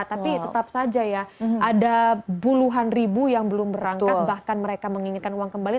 tapi tetap saja ya ada puluhan ribu yang belum berangkat bahkan mereka menginginkan uang kembali